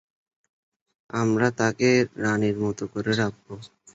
আমরা তাকে রানীর মতো করে রাখব।